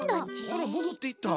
あらもどっていった。